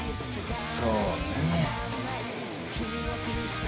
そうねえ。